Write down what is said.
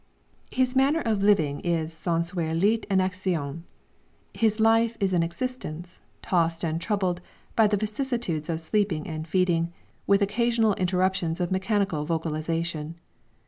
His manner of living is sensualité en action. His life is an existence, tossed and troubled by the vicissitudes of sleeping and feeding, with occasional interruptions of mechanical vocalization.